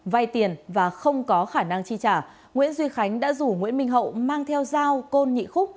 vay tiền và không có khả năng chi trả nguyễn duy khánh đã rủ nguyễn minh hậu mang theo dao côn nhị khúc